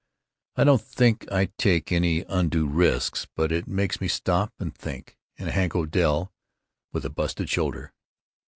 I don't think I take any undue risks, but it makes me stop and think. And Hank Odell with a busted shoulder.